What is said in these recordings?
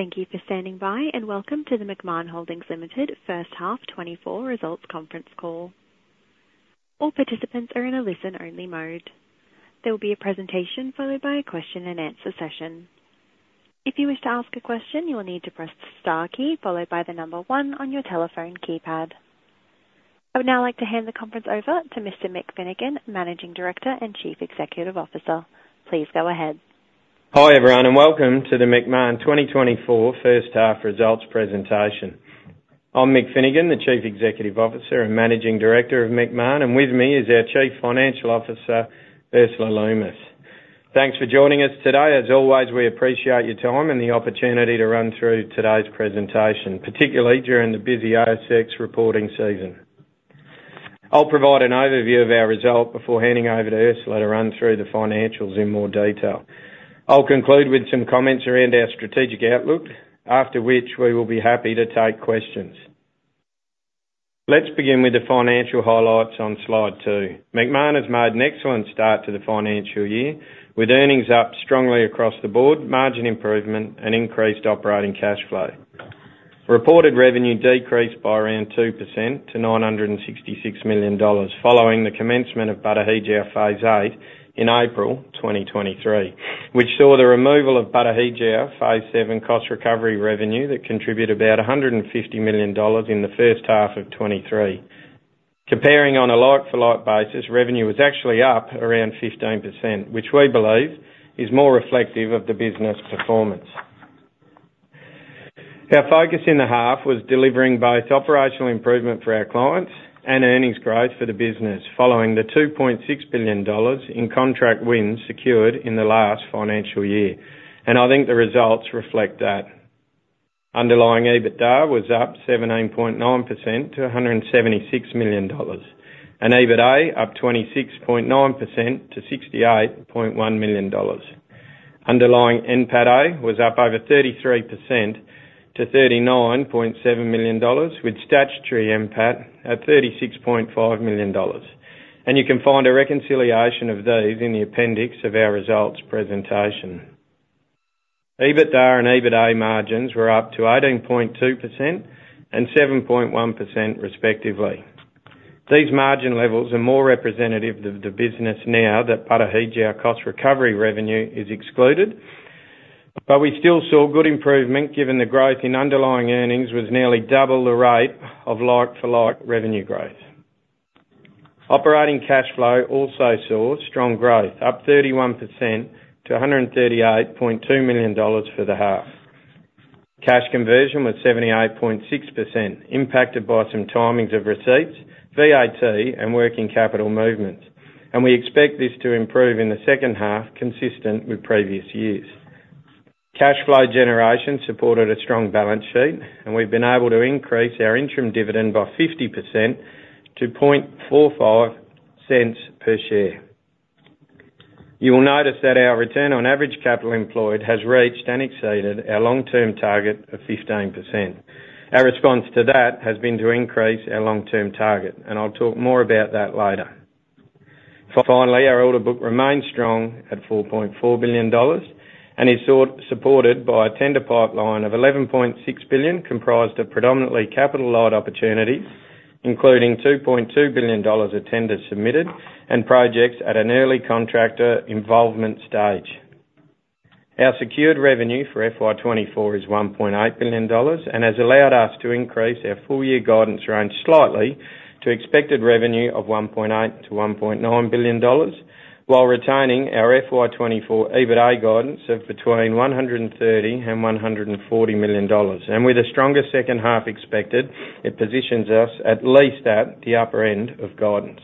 Thank you for standing by and welcome to the Macmahon Holdings Limited H1 2024 results conference call. All participants are in a listen-only mode. There will be a presentation followed by a question-and-answer session. If you wish to ask a question, you'll need to press the star key followed by the number one on your telephone keypad. I would now like to hand the conference over to Mr. Mick Finnegan, Managing Director and Chief Executive Officer. Please go ahead. Hi everyone and welcome to the Macmahon 2024 H1 results presentation. I'm Mick Finnegan, the Chief Executive Officer and Managing Director of Macmahon, and with me is our Chief Financial Officer, Ursula Lummis. Thanks for joining us today. As always, we appreciate your time and the opportunity to run through today's presentation, particularly during the busy ASX reporting season. I'll provide an overview of our result before handing over to Ursula to run through the financials in more detail. I'll conclude with some comments around our strategic outlook, after which we will be happy to take questions. Let's begin with the financial highlights on slide two. Macmahon has made an excellent start to the financial year with earnings up strongly across the board, margin improvement, and increased operating cash flow. Reported revenue decreased by around 2% to 966 million dollars following the commencement of Batu Hijau phase 8 in April 2023, which saw the removal of Batu Hijau phase 7 cost recovery revenue that contributed about 150 million dollars in the H1 of 2023. Comparing on a like-for-like basis, revenue was actually up around 15%, which we believe is more reflective of the business performance. Our focus in the half was delivering both operational improvement for our clients and earnings growth for the business following the 2.6 billion dollars in contract wins secured in the last financial year, and I think the results reflect that. Underlying EBITDA was up 17.9% to 176 million dollars, and EBITA up 26.9% to 68.1 million dollars. Underlying NPATA was up over 33% to 39.7 million dollars, with statutory NPAT at 36.5 million dollars. You can find a reconciliation of these in the appendix of our results presentation. EBITDA and EBITA margins were up to 18.2% and 7.1% respectively. These margin levels are more representative of the business now that Batu Hijau cost recovery revenue is excluded, but we still saw good improvement given the growth in underlying earnings was nearly double the rate of like-for-like revenue growth. Operating cash flow also saw strong growth, up 31% to 138.2 million dollars for the half. Cash conversion was 78.6%, impacted by some timings of receipts, VAT, and working capital movements, and we expect this to improve in the H2 consistent with previous years. Cash flow generation supported a strong balance sheet, and we've been able to increase our interim dividend by 50% to 0.45 per share. You will notice that our return on average capital employed has reached and exceeded our long-term target of 15%. Our response to that has been to increase our long-term target, and I'll talk more about that later. Finally, our order book remains strong at 4.4 billion dollars and is supported by a tender pipeline of 11.6 billion comprised of predominantly capital-led opportunities, including 2.2 billion dollars of tenders submitted and projects at an early contractor involvement stage. Our secured revenue for FY 2024 is AUD 1.8 billion and has allowed us to increase our full-year guidance range slightly to expected revenue of 1.8 billion-1.9 billion dollars, while retaining our FY 2024 EBITA guidance of between 130 million and 140 million dollars. And with a stronger H2 expected, it positions us at least at the upper end of guidance.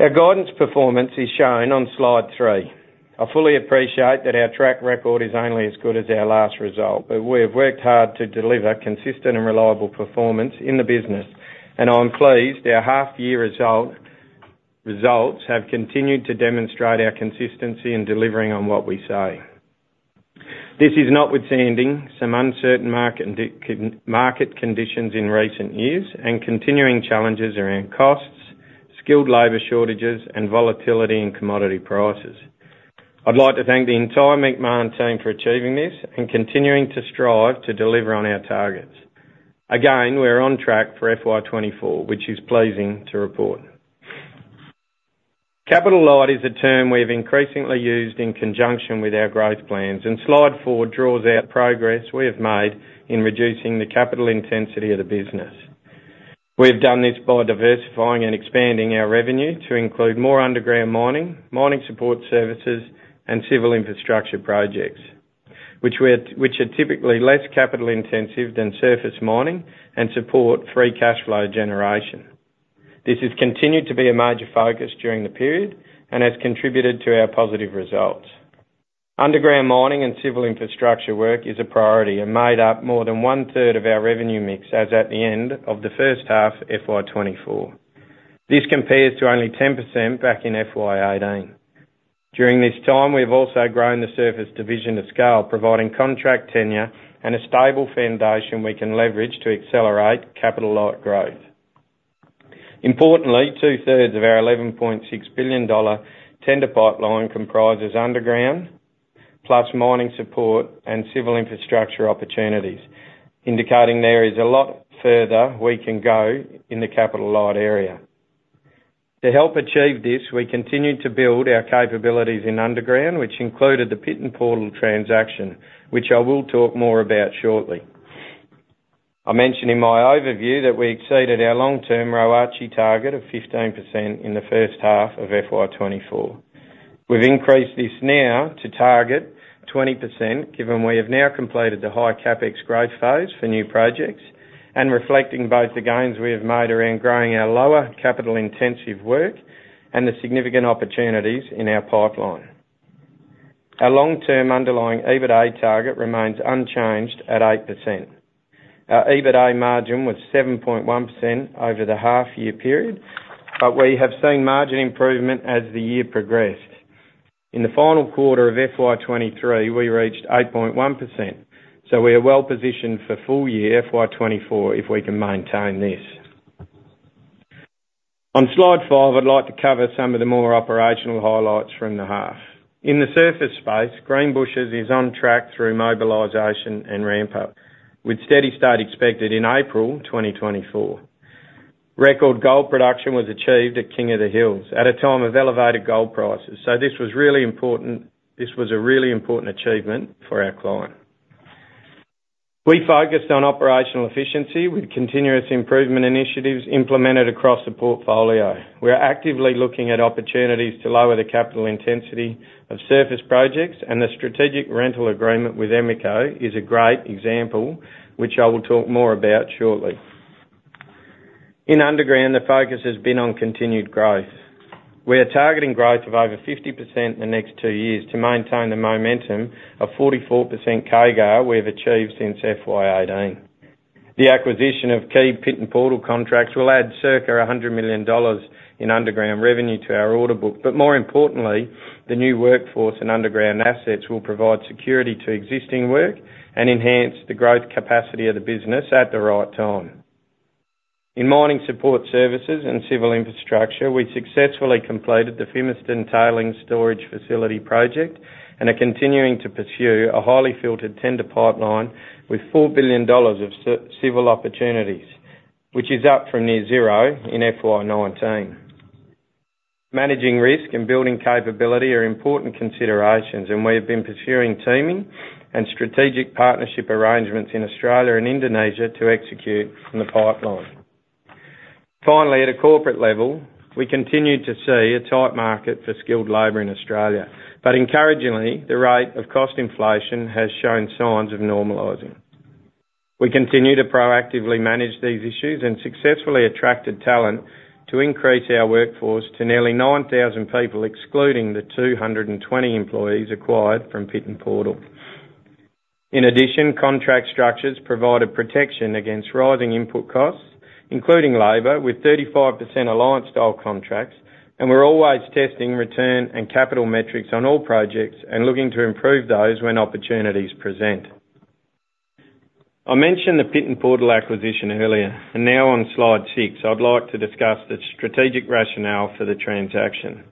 Our guidance performance is shown on slide three. I fully appreciate that our track record is only as good as our last result, but we have worked hard to deliver consistent and reliable performance in the business, and I'm pleased our half-year results have continued to demonstrate our consistency in delivering on what we say. This is notwithstanding some uncertain market conditions in recent years and continuing challenges around costs, skilled labor shortages, and volatility in commodity prices. I'd like to thank the entire Macmahon team for achieving this and continuing to strive to deliver on our targets. Again, we're on track for FY 2024, which is pleasing to report. Capital-led is a term we have increasingly used in conjunction with our growth plans, and slide four draws out progress we have made in reducing the capital intensity of the business. We have done this by diversifying and expanding our revenue to include more underground mining, mining support services, and civil infrastructure projects, which are typically less capital-intensive than surface mining and support free cash flow generation. This has continued to be a major focus during the period and has contributed to our positive results. Underground mining and civil infrastructure work is a priority and made up more than one-third of our revenue mix as at the end of the H1 FY 2024. This compares to only 10% back in FY 2018. During this time, we have also grown the surface division of scale, providing contract tenure and a stable foundation we can leverage to accelerate Capital-led growth. Importantly, two-thirds of our 11.6 billion dollar tender pipeline comprises underground plus mining support and civil infrastructure opportunities, indicating there is a lot further we can go in the Capital-led area. To help achieve this, we continued to build our capabilities in underground, which included the Pit N Portal transaction, which I will talk more about shortly. I mentioned in my overview that we exceeded our long-term ROACE target of 15% in the H1 of FY 2024. We've increased this now to target 20% given we have now completed the high-CapEx growth phase for new projects and reflecting both the gains we have made around growing our lower capital-intensive work and the significant opportunities in our pipeline. Our long-term underlying EBITA target remains unchanged at 8%. Our EBITA margin was 7.1% over the half-year period, but we have seen margin improvement as the year progressed. In the final quarter of FY 2023, we reached 8.1%, so we are well-positioned for full-year FY 2024 if we can maintain this. On slide five, I'd like to cover some of the more operational highlights from the half. In the surface space, Greenbushes is on track through mobilization and ramp-up, with steady state expected in April 2024. Record gold production was achieved at King of the Hills at a time of elevated gold prices, so this was really important. This was a really important achievement for our client. We focused on operational efficiency with continuous improvement initiatives implemented across the portfolio. We're actively looking at opportunities to lower the capital intensity of surface projects, and the strategic rental agreement with Emeco is a great example, which I will talk more about shortly. In underground, the focus has been on continued growth. We are targeting growth of over 50% the next two years to maintain the momentum of 44% CAGR we have achieved since FY 2018. The acquisition of key Pit N Portal contracts will add circa 100 million dollars in underground revenue to our order book, but more importantly, the new workforce and underground assets will provide security to existing work and enhance the growth capacity of the business at the right time. In mining support services and civil infrastructure, we successfully completed the Fimiston Tailings Storage Facility project and are continuing to pursue a highly filtered tender pipeline with 4 billion dollars of civil opportunities, which is up from near zero in FY 2019. Managing risk and building capability are important considerations, and we have been pursuing teaming and strategic partnership arrangements in Australia and Indonesia to execute from the pipeline. Finally, at a corporate level, we continue to see a tight market for skilled labor in Australia, but encouragingly, the rate of cost inflation has shown signs of normalizing. We continue to proactively manage these issues and successfully attracted talent to increase our workforce to nearly 9,000 people, excluding the 220 employees acquired from Pit N Portal. In addition, contract structures provided protection against rising input costs, including labor, with 35% alliance-style contracts, and we're always testing return and capital metrics on all projects and looking to improve those when opportunities present. I mentioned the Pit N Portal acquisition earlier, and now on slide six, I'd like to discuss the strategic rationale for the transaction.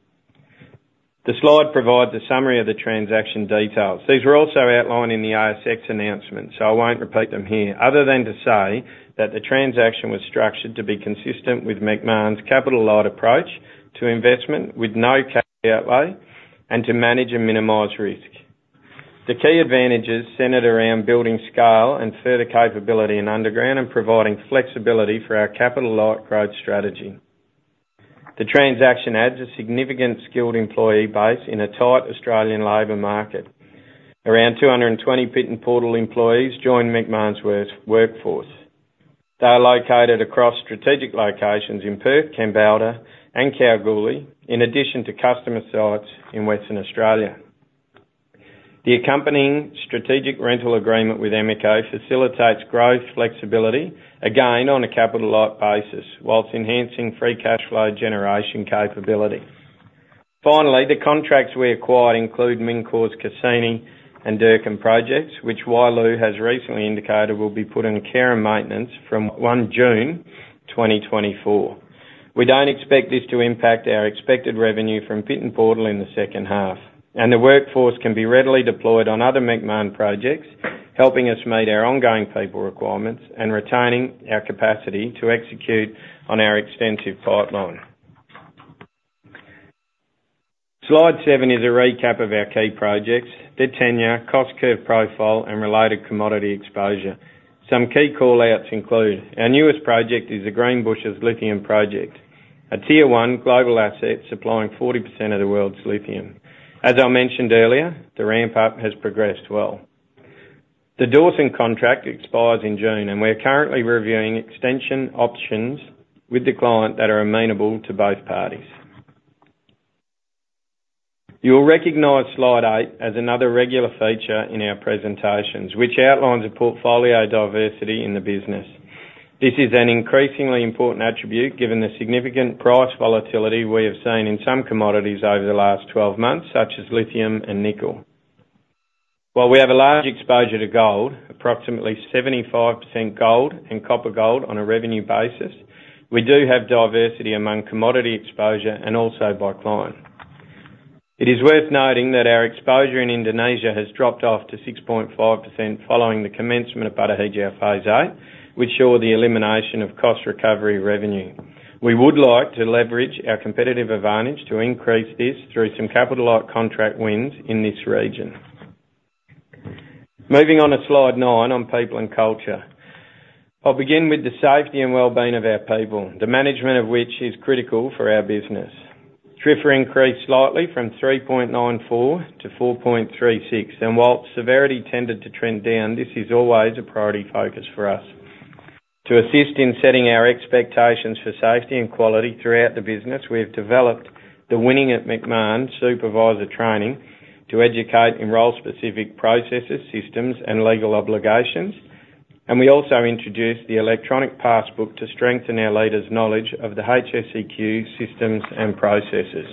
The slide provides a summary of the transaction details. These were also outlined in the ASX announcement, so I won't repeat them here, other than to say that the transaction was structured to be consistent with Macmahon's capital-led approach to investment, with no CAGR outlay, and to manage and minimize risk. The key advantages centered around building scale and further capability in underground and providing flexibility for our Capital-led growth strategy. The transaction adds a significant skilled employee base in a tight Australian labor market. Around 220 Pit N Portal employees joined Macmahon's workforce. They are located across strategic locations in Perth, Kambalda, and Kalgoorlie, in addition to customer sites in Western Australia. The accompanying strategic rental agreement with Emeco facilitates growth flexibility, again on a Capital-led basis, while enhancing free cash flow generation capability. Finally, the contracts we acquired include Mincor Cassini and Durkin Projects, which Wyloo has recently indicated will be put in care and maintenance from 1 June 2024. We don't expect this to impact our expected revenue from Pit N Portal in the H2, and the workforce can be readily deployed on other Macmahon projects, helping us meet our ongoing people requirements and retaining our capacity to execute on our extensive pipeline. Slide seven is a recap of our key projects: their tenure, cost curve profile, and related commodity exposure. Some key callouts include our newest project is the Greenbushes Lithium Project, a tier 1 global asset supplying 40% of the world's lithium. As I mentioned earlier, the ramp-up has progressed well. The Dawson contract expires in June, and we are currently reviewing extension options with the client that are amenable to both parties. You will recognize slide eight as another regular feature in our presentations, which outlines the portfolio diversity in the business. This is an increasingly important attribute given the significant price volatility we have seen in some commodities over the last twelve months, such as lithium and nickel. While we have a large exposure to gold, approximately 75% gold and copper gold on a revenue basis, we do have diversity among commodity exposure and also by client. It is worth noting that our exposure in Indonesia has dropped off to 6.5% following the commencement of Batu Hijau phase 8, which saw the elimination of cost recovery revenue. We would like to leverage our competitive advantage to increase this through some capital-led contract wins in this region. Moving on to slide nine on people and culture, I'll begin with the safety and well-being of our people, the management of which is critical for our business. TRIFR increased slightly from 3.94-4.36, and while severity tended to trend down, this is always a priority focus for us. To assist in setting our expectations for safety and quality throughout the business, we have developed the Winning at Macmahon supervisor training to educate in role-specific processes, systems, and legal obligations, and we also introduced the Electronic Passbook to strengthen our leaders' knowledge of the HSEQ systems and processes.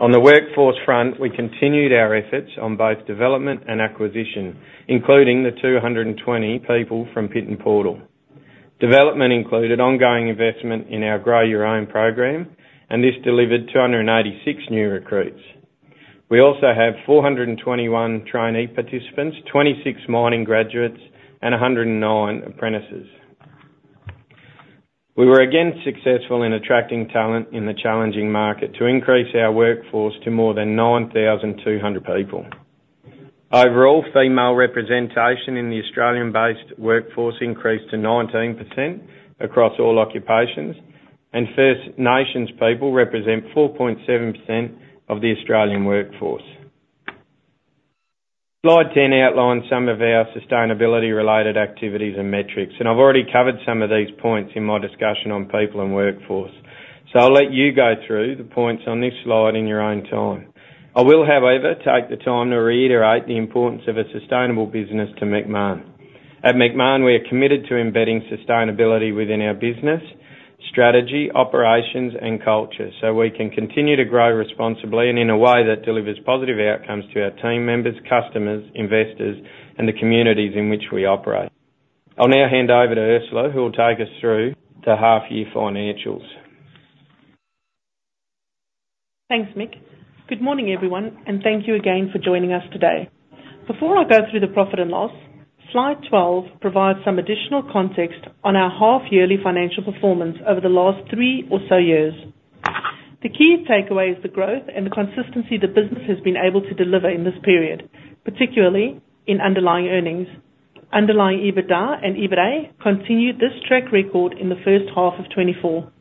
On the workforce front, we continued our efforts on both development and acquisition, including the 220 people from Pit N Portal. Development included ongoing investment in our Grow Your Own program, and this delivered 286 new recruits. We also have 421 trainee participants, 26 mining graduates, and 109 apprentices. We were again successful in attracting talent in the challenging market to increase our workforce to more than 9,200 people. Overall, female representation in the Australian-based workforce increased to 19% across all occupations, and First Nations people represent 4.7% of the Australian workforce. Slide 10 outlines some of our sustainability-related activities and metrics, and I've already covered some of these points in my discussion on people and workforce, so I'll let you go through the points on this slide in your own time. I will, however, take the time to reiterate the importance of a sustainable business to Macmahon. At Macmahon, we are committed to embedding sustainability within our business, strategy, operations, and culture so we can continue to grow responsibly and in a way that delivers positive outcomes to our team members, customers, investors, and the communities in which we operate. I'll now hand over to Ursula, who will take us through the half-year financials. Thanks, Mick. Good morning, everyone, and thank you again for joining us today. Before I go through the profit and loss, slide 12 provides some additional context on our half-yearly financial performance over the last three or so years. The key takeaway is the growth and the consistency the business has been able to deliver in this period, particularly in underlying earnings. Underlying EBITDA and EBITA continued this track record in the H1 of 2024.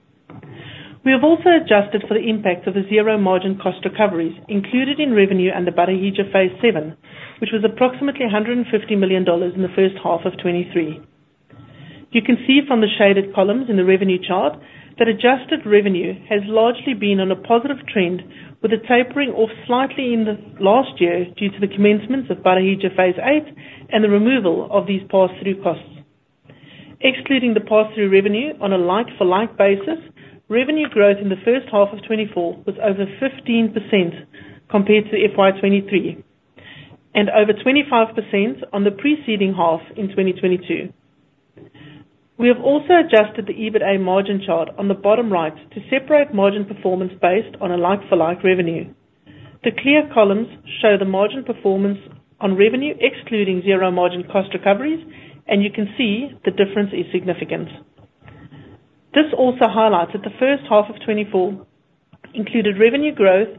We have also adjusted for the impact of the zero-margin cost recoveries included in revenue under Batu Hijau phase 7, which was approximately 150 million dollars in the H1 of 2023. You can see from the shaded columns in the revenue chart that adjusted revenue has largely been on a positive trend, with a tapering off slightly in the last year due to the commencements of Batu Hijau phase 8 and the removal of these pass-through costs. Excluding the pass-through revenue, on a like-for-like basis, revenue growth in the H1 of 2024 was over 15% compared to FY 2023 and over 25% on the preceding half in 2022. We have also adjusted the EBITA margin chart on the bottom right to separate margin performance based on a like-for-like revenue. The clear columns show the margin performance on revenue excluding zero-margin cost recoveries, and you can see the difference is significant. This also highlights that the H1 of 2024 included revenue growth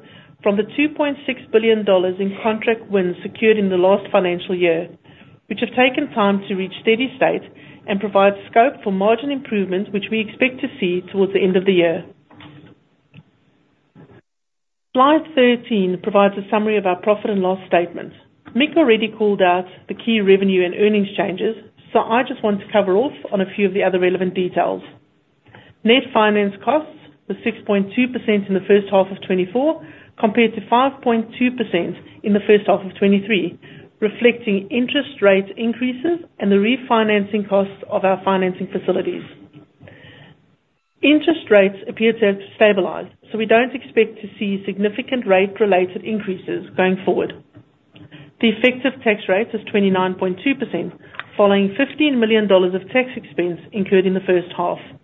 from the 2.6 billion dollars in contract wins secured in the last financial year, which have taken time to reach steady state and provide scope for margin improvements, which we expect to see towards the end of the year. Slide 13 provides a summary of our profit and loss statement. Mick already called out the key revenue and earnings changes, so I just want to cover off on a few of the other relevant details. Net finance costs were 6.2% in the H1 of 2024 compared to 5.2% in the H1 of 2023, reflecting interest rate increases and the refinancing costs of our financing facilities. Interest rates appear to have stabilized, so we don't expect to see significant rate-related increases going forward. The effective tax rate is 29.2%, following 15 million dollars of tax expense incurred in the H1.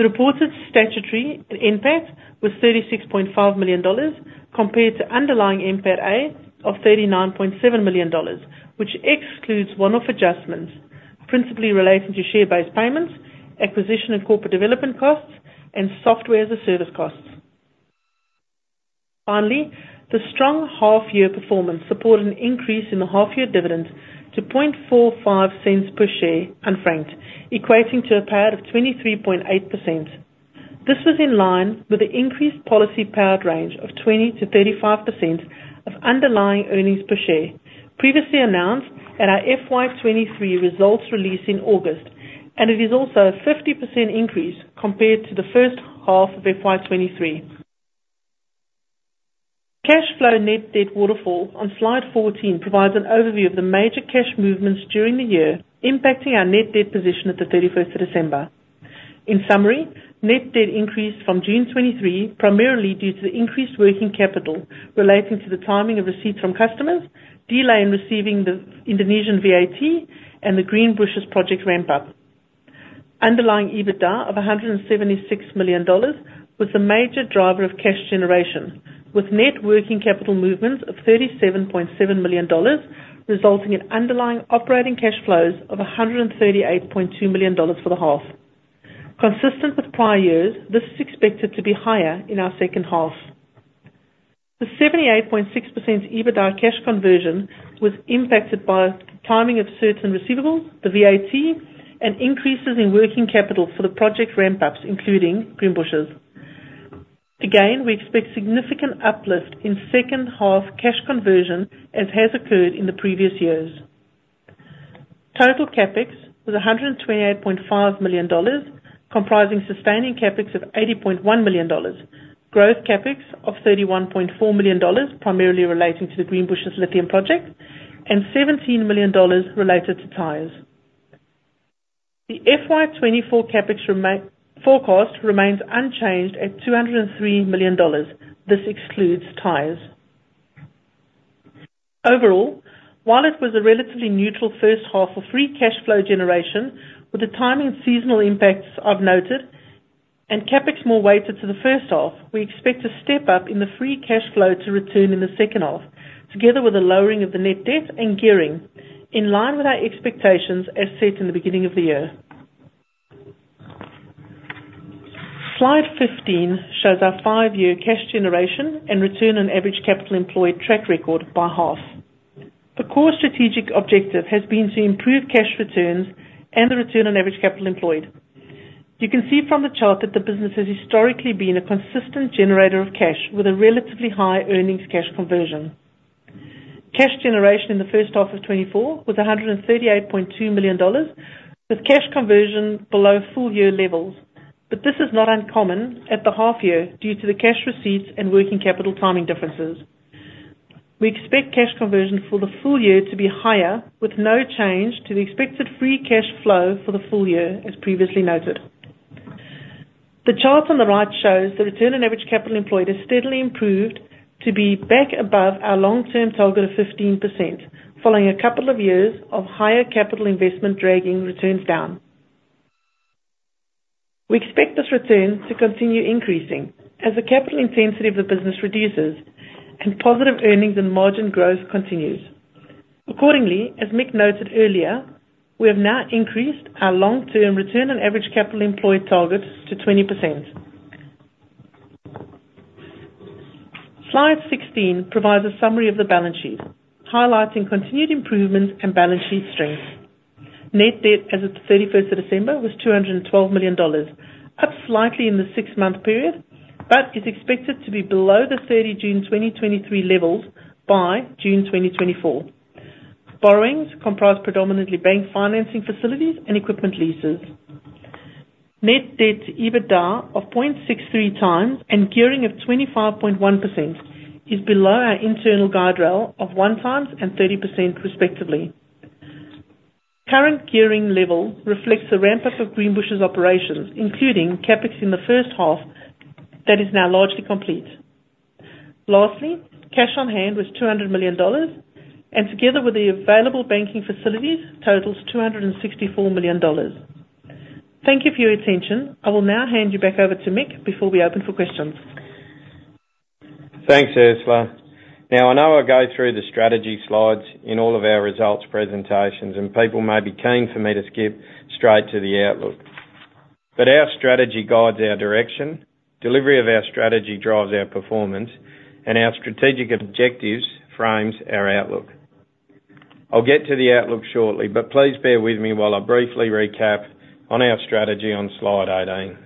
The reported statutory impact was 36.5 million dollars compared to underlying impact of 39.7 million dollars, which excludes one-off adjustments principally relating to share-based payments, acquisition and corporate development costs, and software as a service costs. Finally, the strong half-year performance supported an increase in the half-year dividend to 0.45 per share unfranked, equating to a payout of 23.8%. This was in line with the increased policy payout range of 20%-35% of underlying earnings per share, previously announced at our FY 2023 results release in August, and it is also a 50% increase compared to the H1 of FY 2023. Cash flow net debt waterfall on slide 14 provides an overview of the major cash movements during the year impacting our net debt position at the 31st of December. In summary, net debt increased from June 2023 primarily due to the increased working capital relating to the timing of receipts from customers, delay in receiving the Indonesian VAT, and the Greenbushes project ramp-up. Underlying EBITDA of AUD 176 million was the major driver of cash generation, with net working capital movements of AUD 37.7 million resulting in underlying operating cash flows of AUD 138.2 million for the half. Consistent with prior years, this is expected to be higher in our H2. The 78.6% EBITDA cash conversion was impacted by timing of certain receivables, the VAT, and increases in working capital for the project ramp-ups, including Greenbushes. Again, we expect significant uplift in second-half cash conversion as has occurred in the previous years. Total CapEx was 128.5 million dollars, comprising sustaining CapEx of 80.1 million dollars, growth CapEx of 31.4 million dollars primarily relating to the Greenbushes lithium project, and 17 million dollars related to tires. The FY 2024 CapEx forecast remains unchanged at 203 million dollars. This excludes tires. Overall, while it was a relatively neutral H1 of free cash flow generation, with the timing seasonal impacts I've noted and CapEx more weighted to the H1, we expect a step up in the free cash flow to return in the H2, together with a lowering of the net debt and gearing, in line with our expectations as set in the beginning of the year. Slide 15 shows our five-year cash generation and return on average capital employed track record by half. The core strategic objective has been to improve cash returns and the return on average capital employed. You can see from the chart that the business has historically been a consistent generator of cash with a relatively high earnings cash conversion. Cash generation in the H1 of 2024 was 138.2 million dollars, with cash conversion below full-year levels, but this is not uncommon at the half-year due to the cash receipts and working capital timing differences. We expect cash conversion for the full year to be higher, with no change to the expected free cash flow for the full year, as previously noted. The chart on the right shows the return on average capital employed has steadily improved to be back above our long-term target of 15%, following a couple of years of higher capital investment dragging returns down. We expect this return to continue increasing as the capital intensity of the business reduces and positive earnings and margin growth continues. Accordingly, as Mick noted earlier, we have now increased our long-term return on average capital employed target to 20%. Slide 16 provides a summary of the balance sheet, highlighting continued improvements and balance sheet strength. Net debt as of the 31st of December was 212 million dollars, up slightly in the six-month period, but is expected to be below the 30 June 2023 levels by June 2024. Borrowings comprise predominantly bank financing facilities and equipment leases. Net debt EBITDA of 0.63x and gearing of 25.1% is below our internal guide rail of 1 times and 30%, respectively. Current gearing level reflects the ramp-up of Greenbushes operations, including CapEx in the H1 that is now largely complete. Lastly, cash on hand was 200 million dollars, and together with the available banking facilities, totals 264 million dollars. Thank you for your attention. I will now hand you back over to Mick before we open for questions. Thanks, Ursula. Now, I know I go through the strategy slides in all of our results presentations, and people may be keen for me to skip straight to the outlook. But our strategy guides our direction. Delivery of our strategy drives our performance, and our strategic objectives frame our outlook. I'll get to the outlook shortly, but please bear with me while I briefly recap on our strategy on slide 18.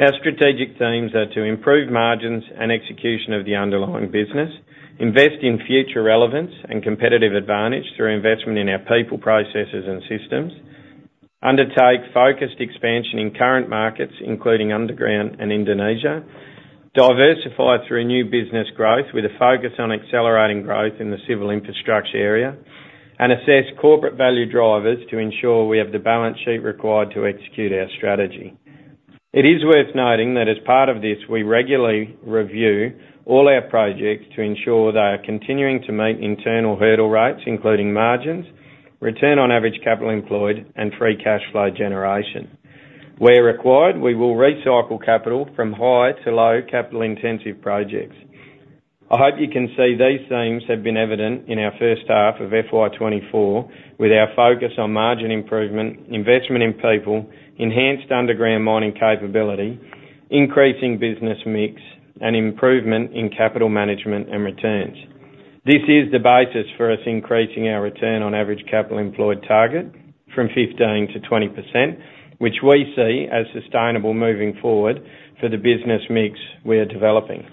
Our strategic themes are to improve margins and execution of the underlying business, invest in future relevance and competitive advantage through investment in our people, processes, and systems, undertake focused expansion in current markets, including underground and Indonesia, diversify through new business growth with a focus on accelerating growth in the civil infrastructure area, and assess corporate value drivers to ensure we have the balance sheet required to execute our strategy. It is worth noting that as part of this, we regularly review all our projects to ensure they are continuing to meet internal hurdle rates, including margins, return on average capital employed, and free cash flow generation. Where required, we will recycle capital from high-to-low capital-intensive projects. I hope you can see these themes have been evident in our H1 of FY 2024, with our focus on margin improvement, investment in people, enhanced underground mining capability, increasing business mix, and improvement in capital management and returns. This is the basis for us increasing our return on average capital employed target from 15%-20%, which we see as sustainable moving forward for the business mix we are developing.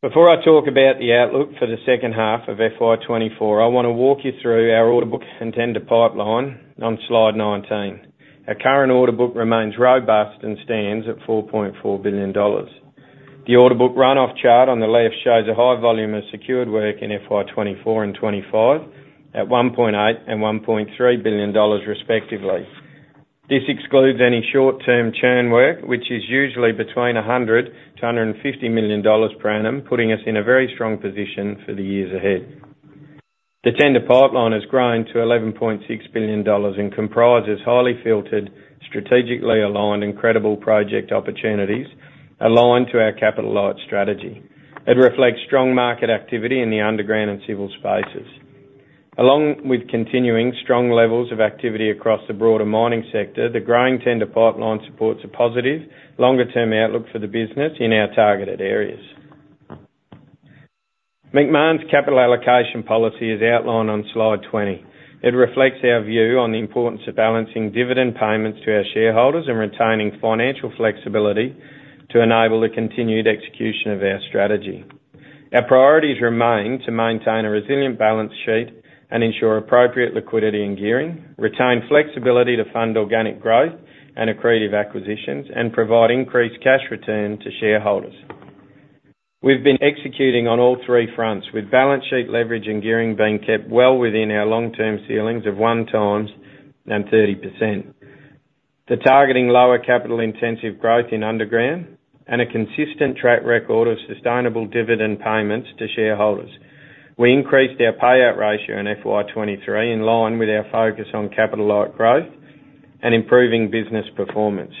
Before I talk about the outlook for the H2 of FY 2024, I want to walk you through our order book and tender pipeline on slide 19. Our current order book remains robust and stands at 4.4 billion dollars. The order book runoff chart on the left shows a high volume of secured work in FY 2024 and FY 2025 at 1.8 billion and 1.3 billion dollars, respectively. This excludes any short-term churn work, which is usually between 100 million-150 million dollars per annum, putting us in a very strong position for the years ahead. The tender pipeline has grown to AUD 11.6 billion and comprises highly filtered, strategically aligned, and credible project opportunities aligned to our capital light strategy. It reflects strong market activity in the underground and civil spaces. Along with continuing strong levels of activity across the broader mining sector, the growing tender pipeline supports a positive, longer-term outlook for the business in our targeted areas. Macmahon's capital allocation policy is outlined on slide 20. It reflects our view on the importance of balancing dividend payments to our shareholders and retaining financial flexibility to enable the continued execution of our strategy. Our priorities remain to maintain a resilient balance sheet and ensure appropriate liquidity and gearing, retain flexibility to fund organic growth and accretive acquisitions, and provide increased cash return to shareholders. We've been executing on all three fronts, with balance sheet leverage and gearing being kept well within our long-term ceilings of 1x and 30%, targeting lower capital-intensive growth in underground, and a consistent track record of sustainable dividend payments to shareholders. We increased our payout ratio in FY 2023 in line with our focus on capital light growth and improving business performance.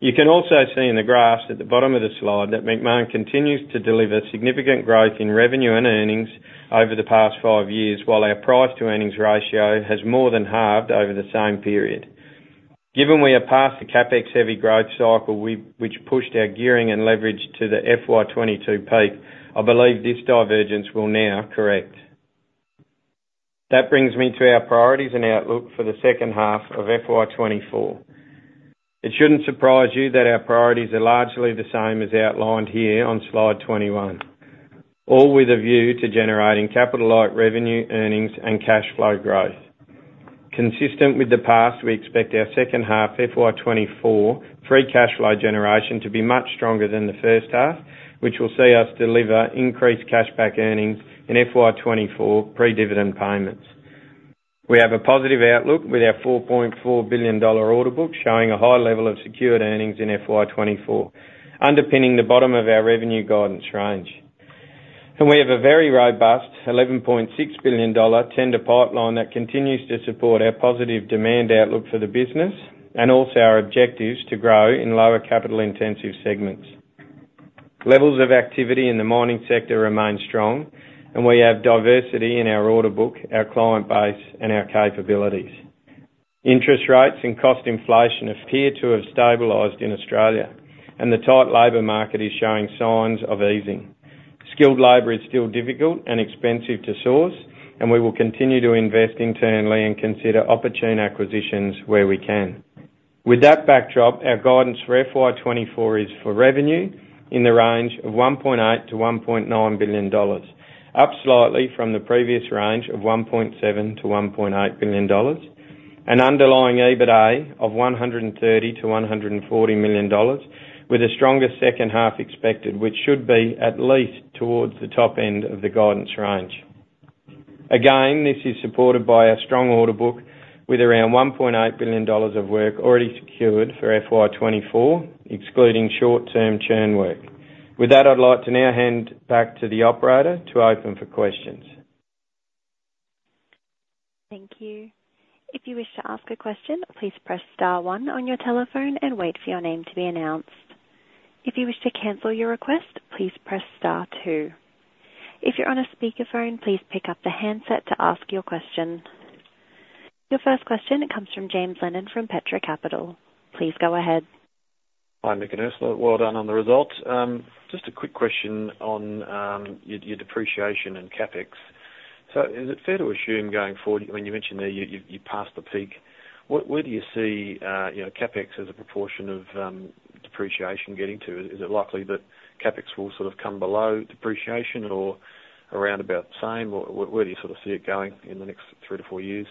You can also see in the graphs at the bottom of the slide that Macmahon continues to deliver significant growth in revenue and earnings over the past five years, while our price-to-earnings ratio has more than halved over the same period. Given we are past the CapEx-heavy growth cycle, which pushed our gearing and leverage to the FY 2022 peak, I believe this divergence will now correct. That brings me to our priorities and outlook for the H2 of FY 2024. It shouldn't surprise you that our priorities are largely the same as outlined here on slide 21, all with a view to generating capital light revenue, earnings, and cash flow growth. Consistent with the past, we expect our H2 FY 2024 free cash flow generation to be much stronger than the H1, which will see us deliver increased cashback earnings in FY 2024 pre-dividend payments. We have a positive outlook with our 4.4 billion dollar order book showing a high level of secured earnings in FY 2024, underpinning the bottom of our revenue guidance range. We have a very robust 11.6 billion dollar tender pipeline that continues to support our positive demand outlook for the business and also our objectives to grow in lower capital-intensive segments. Levels of activity in the mining sector remain strong, and we have diversity in our order book, our client base, and our capabilities. Interest rates and cost inflation appear to have stabilized in Australia, and the tight labour market is showing signs of easing. Skilled labour is still difficult and expensive to source, and we will continue to invest internally and consider opportune acquisitions where we can. With that backdrop, our guidance for FY 2024 is for revenue in the range of AUD 1.8 billion-AUD 1.9 billion, up slightly from the previous range of AUD 1.7 billion-AUD 1.8 billion, and underlying EBITDA of AUD 130 million-AUD 140 million, with a stronger H2 expected, which should be at least towards the top end of the guidance range. Again, this is supported by our strong order book with around 1.8 billion dollars of work already secured for FY 2024, excluding short-term churn work. With that, I'd like to now hand back to the operator to open for questions. Thank you. If you wish to ask a question, please press star one on your telephone and wait for your name to be announced. If you wish to cancel your request, please press star two. If you're on a speakerphone, please pick up the handset to ask your question. Your first question comes from James Lennon from Petra Capital. Please go ahead. Hi, Mick and Ursula. Well done on the results. Just a quick question on your depreciation and CapEx. So is it fair to assume going forward, I mean, you mentioned there you've passed the peak. Where do you see CapEx as a proportion of depreciation getting to? Is it likely that CapEx will sort of come below depreciation or around about the same? Where do you sort of see it going in the next three to four years?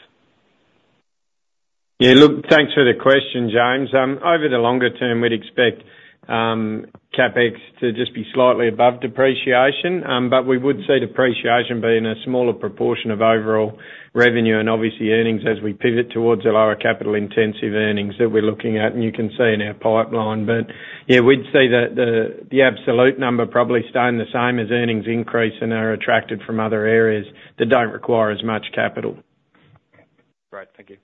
Yeah. Look, thanks for the question, James. Over the longer term, we'd expect CapEx to just be slightly above depreciation, but we would see depreciation be in a smaller proportion of overall revenue and obviously earnings as we pivot towards the lower capital-intensive earnings that we're looking at, and you can see in our pipeline. But yeah, we'd see the absolute number probably staying the same as earnings increase and are attracted from other areas that don't require as much capital. Great. Thank you.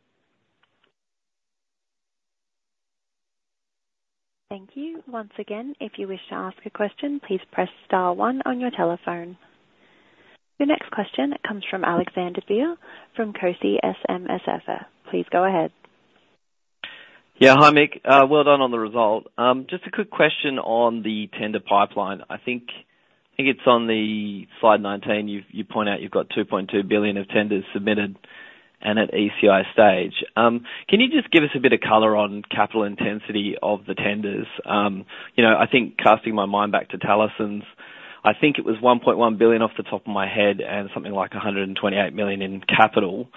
Thank you. Once again, if you wish to ask a question, please press star 1 on your telephone. Your next question comes from Alexander Baer from Cove SMSF. Please go ahead. Yeah. Hi, Mick. Well done on the result. Just a quick question on the tender pipeline. I think it's on slide 19. You point out you've got 2.2 billion of tenders submitted and at ECI stage. Can you just give us a bit of color on capital intensity of the tenders? I think casting my mind back to Talison's, I think it was 1.1 billion off the top of my head and something like 128 million in capital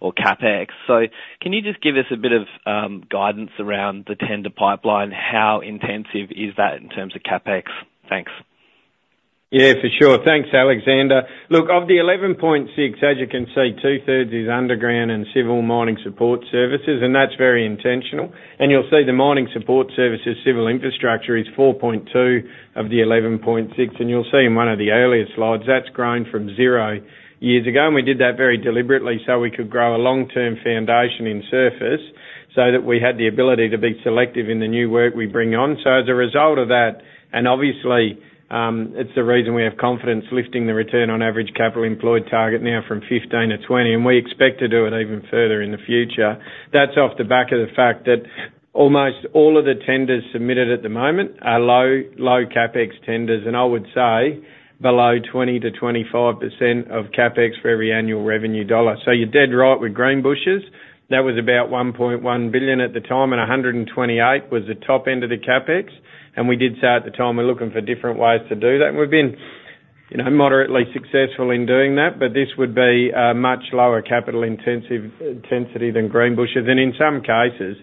or capex. So can you just give us a bit of guidance around the tender pipeline? How intensive is that in terms of CapEx? Thanks. Yeah, for sure. Thanks, Alexander. Look, of the 11.6, as you can see, 2/3 is underground and civil mining support services, and that's very intentional. You'll see the mining support services civil infrastructure is 4.2 of the 11.6, and you'll see in one of the earliest slides that's grown from zero years ago. We did that very deliberately so we could grow a long-term foundation in surface so that we had the ability to be selective in the new work we bring on. So as a result of that, and obviously, it's the reason we have confidence lifting the return on average capital employed target now from 15%-20%, and we expect to do it even further in the future. That's off the back of the fact that almost all of the tenders submitted at the moment are low CapEx tenders, and I would say below 20%-25% of CapEx for every annual revenue dollar. So you're dead right with Greenbushes. That was about 1.1 billion at the time, and 128 million was the top end of the CapEx. And we did say at the time we're looking for different ways to do that. And we've been moderately successful in doing that, but this would be much lower capital intensity than Greenbushes. And in some cases,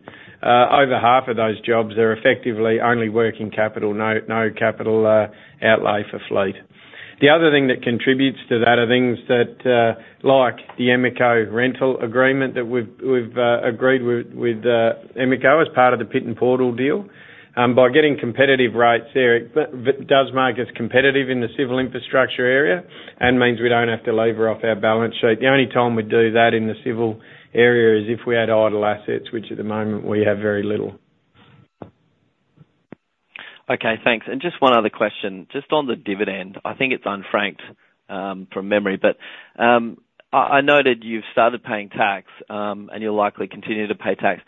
over half of those jobs are effectively only working capital, no capital outlay for fleet. The other thing that contributes to that are things like the Emeco rental agreement that we've agreed with Emeco as part of the Pit N Portal deal. By getting competitive rates there, it does make us competitive in the civil infrastructure area and means we don't have to labor off our balance sheet. The only time we'd do that in the civil area is if we had idle assets, which at the moment we have very little. Okay. Thanks. Just one other question. Just on the dividend, I think it's unfranked from memory, but I noted you've started paying tax and you'll likely continue to pay tax.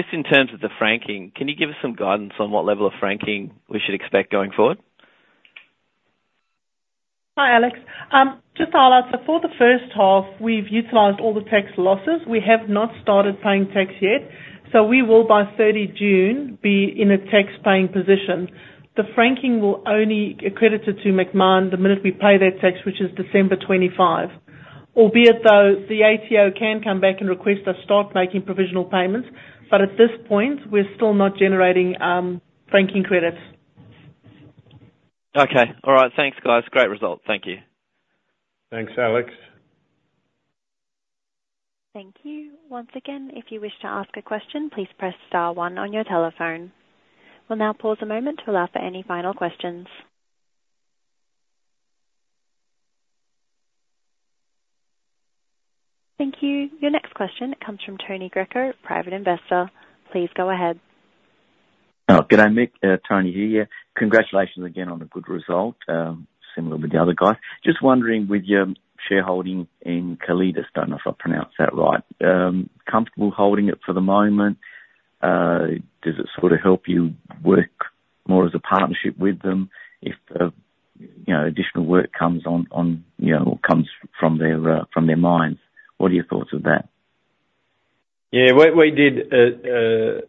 Just in terms of the franking, can you give us some guidance on what level of franking we should expect going forward? Hi, Alex. Just to highlight, so for the H1, we've utilized all the tax losses. We have not started paying tax yet, so we will, by 30 June, be in a tax-paying position. The franking will only accrue to Macmahon the minute we pay their tax, which is December 25. Albeit though, the ATO can come back and request us stop making provisional payments, but at this point, we're still not generating franking credits. Okay. All right. Thanks, guys. Great result. Thank you. Thanks, Alex. Thank you. Once again, if you wish to ask a question, please press star one on your telephone. We'll now pause a moment to allow for any final questions. Thank you. Your next question, it comes from Tony Greco, private investor. Please go ahead. Oh, good day, Mick. Tony here. Yeah. Congratulations again on the good result, similar with the other guys. Just wondering, with your shareholding in Calidus, don't know if I pronounced that right, comfortable holding it for the moment? Does it sort of help you work more as a partnership with them if additional work comes on or comes from their mines? What are your thoughts of that? Yeah. We did a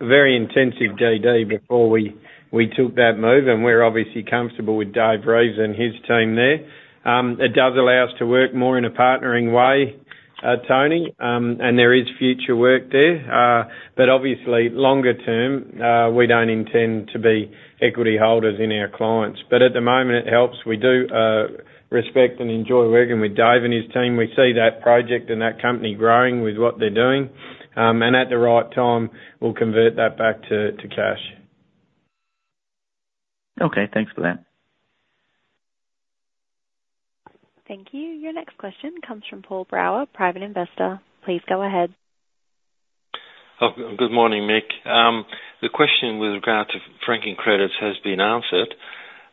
very intensive day before we took that move, and we're obviously comfortable with Dave Reeves and his team there. It does allow us to work more in a partnering way, Tony, and there is future work there. But obviously, longer term, we don't intend to be equity holders in our clients. But at the moment, it helps. We do respect and enjoy working with Dave and his team. We see that project and that company growing with what they're doing. And at the right time, we'll convert that back to cash. Okay. Thanks for that. Thank you. Your next question comes from Paul Brower, Private Investor. Please go ahead. Oh, good morning, Mick. The question with regard to franking credits has been answered.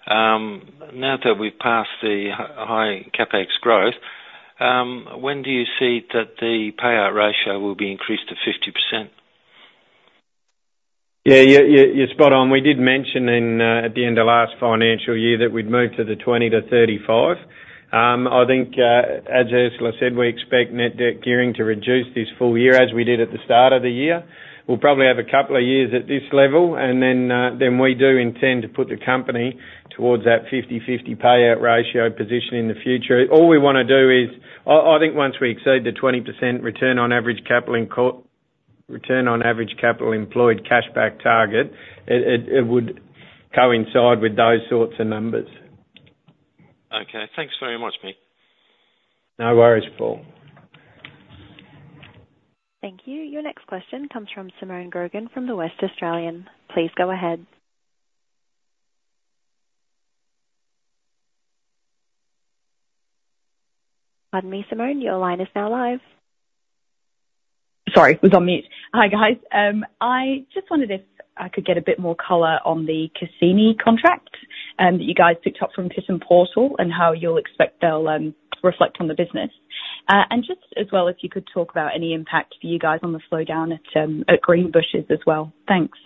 Now that we've passed the high CapEx growth, when do you see that the payout ratio will be increased to 50%? Yeah. You're spot on. We did mention at the end of last financial year that we'd move to the 20-35. I think, as Ursula said, we expect net debt gearing to reduce this full year as we did at the start of the year. We'll probably have a couple of years at this level, and then we do intend to put the company towards that 50/50 payout ratio position in the future. All we want to do is I think once we exceed the 20% return on average capital employed cashback target, it would coincide with those sorts of numbers. Okay. Thanks very much, Mick. No worries, Paul. Thank you. Your next question comes from Simone Grogan from The West Australian. Please go ahead. Pardon me, Simone. Your line is now live. Sorry. It was on mute. Hi, guys. I just wondered if I could get a bit more color on the Cassini contract that you guys picked up from Pit N Portal and how you'll expect they'll reflect on the business. And just as well, if you could talk about any impact for you guys on the slowdown at Greenbushes as well. Thanks.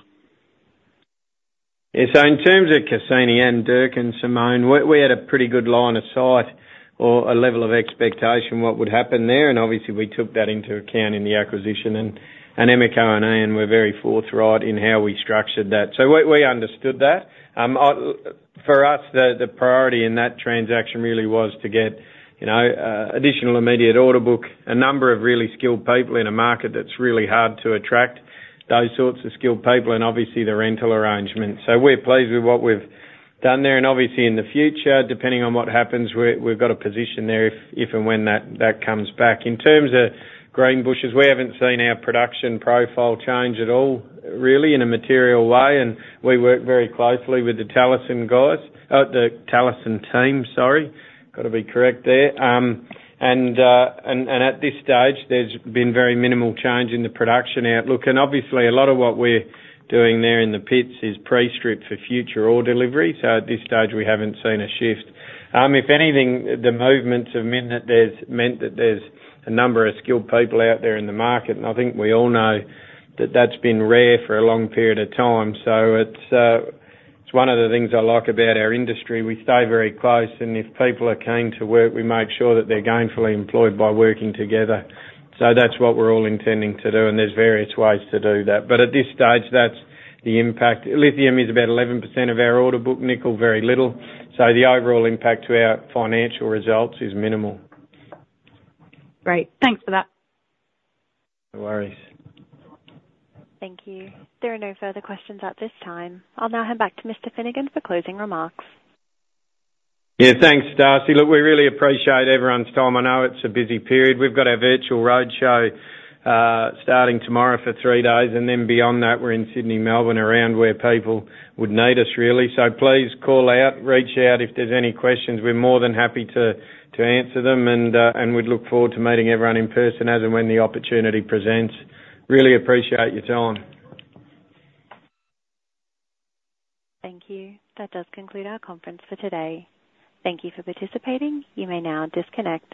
Yeah. So in terms of Cassini and Durkin and Simone, we had a pretty good line of sight or a level of expectation what would happen there. And obviously, we took that into account in the acquisition, and Emeco and Ian were very forthright in how we structured that. So we understood that. For us, the priority in that transaction really was to get additional immediate order book, a number of really skilled people in a market that's really hard to attract, those sorts of skilled people, and obviously, the rental arrangement. So we're pleased with what we've done there. And obviously, in the future, depending on what happens, we've got a position there if and when that comes back. In terms of Greenbushes, we haven't seen our production profile change at all, really, in a material way. We work very closely with the Talison guys, the Talison team, sorry. Got to be correct there. At this stage, there's been very minimal change in the production outlook. Obviously, a lot of what we're doing there in the pits is pre-strip for future order delivery. So at this stage, we haven't seen a shift. If anything, the movements have meant that there's a number of skilled people out there in the market, and I think we all know that that's been rare for a long period of time. So it's one of the things I like about our industry. We stay very close, and if people are keen to work, we make sure that they're gainfully employed by working together. So that's what we're all intending to do, and there's various ways to do that. But at this stage, that's the impact. Lithium is about 11% of our order book. Nickel, very little. So the overall impact to our financial results is minimal. Great. Thanks for that. No worries. Thank you. There are no further questions at this time. I'll now hand back to Mr. Finnegan for closing remarks. Yeah. Thanks, Darcy. Look, we really appreciate everyone's time. I know it's a busy period. We've got our virtual roadshow starting tomorrow for three days, and then beyond that, we're in Sydney, Melbourne, around where people would need us, really. So please call out, reach out. If there's any questions, we're more than happy to answer them, and we'd look forward to meeting everyone in person as and when the opportunity presents. Really appreciate your time. Thank you. That does conclude our conference for today. Thank you for participating. You may now disconnect.